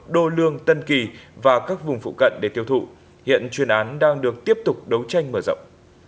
đô lương tân kỳ và các vùng phụ cận để tiêu thụ hiện chuyên án đang được tiếp tục đấu tranh mở rộng